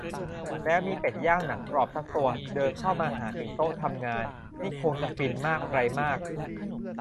แล้วมีเป็ดย่างหนังกรอบซักตัวเดินเข้ามาหาถึงโต๊ะทำงานนี่คงจะฟินมากไรมาก